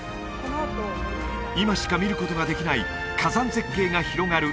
今しか見ることができない火山絶景が広がる